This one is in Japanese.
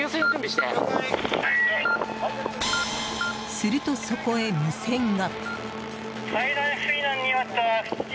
すると、そこへ無線が。